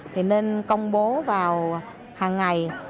thì nên công bố vào hàng ngày